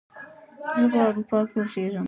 زه په اروپا کې اوسیږم